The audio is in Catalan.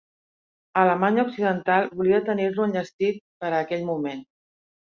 Alemanya Occidental volia tenir-lo enllestit per a aquell moment.